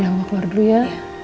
ya mau keluar dulu ya